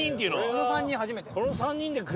この３人初めて。